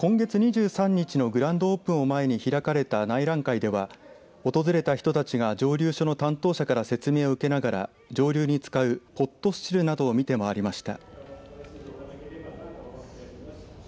今月２３日のグランドオープンを前に開かれた内覧会では訪れた人たちが蒸留酒の担当者から説明を受けながら蒸留に使うポットスチルなどを見て回りました。